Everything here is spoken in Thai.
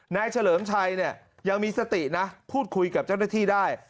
เฉลิมชัยเนี่ยยังมีสตินะพูดคุยกับเจ้าหน้าที่ได้